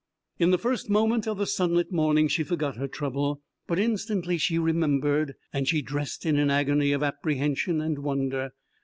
In the first moment of the sunlit morning she forgot her trouble, but instantly she remembered, and she dressed in an agony of apprehension and wonder.